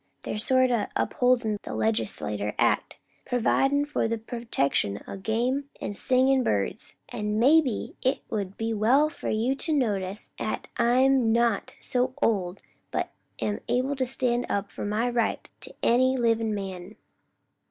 They're sort o' upholdin' the legislature's act, providing for the protection o' game an' singin' birds; an' maybe it 'ud be well for you to notice 'at I'm not so old but I'm able to stand up for my right to any livin' man."